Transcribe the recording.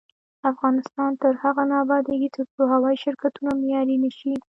افغانستان تر هغو نه ابادیږي، ترڅو هوايي شرکتونه معیاري نشي.